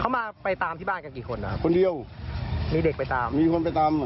เขามาไปตามที่บ้านกันกี่คนนะครับคนเดียวมีเด็กไปตามมีคนไปตาม